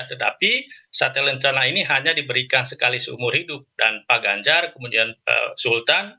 tetapi sate lencana ini hanya diberikan sekali seumur hidup dan pak ganjar kemudian pak sultan